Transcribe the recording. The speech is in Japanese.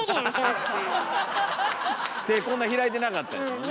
うん開いてなかったよ。